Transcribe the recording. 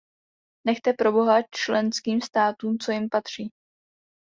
Nechte proboha členským státům, co jim patří.